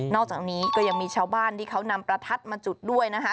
อกจากนี้ก็ยังมีชาวบ้านที่เขานำประทัดมาจุดด้วยนะคะ